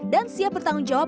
dan siap bertanggung jawab